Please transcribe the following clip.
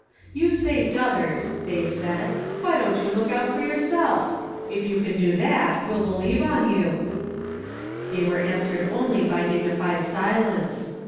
" You saved others," they said, " why don't you look out for yourself? If you can do thut, ^v4'll beheve on you." They were answered only by dignified silence.